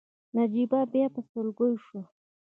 نجيبه بيا په سلګيو شوه.